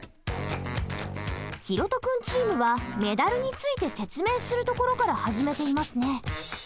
ひろと君チームはメダルについて説明するところから始めていますね。